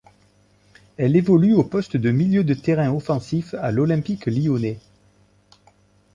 Elle évolue au poste de milieu de terrain offensif à l'Olympique lyonnais.